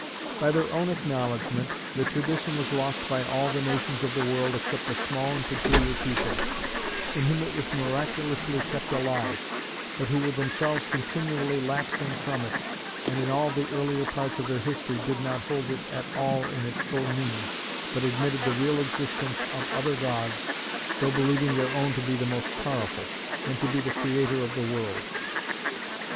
By their own acknowledgment, the tradition was lost by all the nations of the world except a small and peculiar people, in whom it was miraculously kept alive, but who were themselves continually lapsing from it, and in all the earlier parts of their history did not hold it at all in its full meaning, but admitted the real existence of other gods, though believing their own to be the most powerful, and to be the Creator of the world.